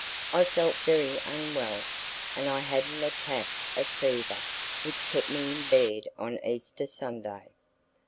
I felt very unwell, and I had an attack of fever which kept me in bed on Easter Sunday.